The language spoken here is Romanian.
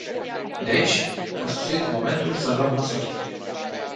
Deci, a sosit momentul să luăm măsuri.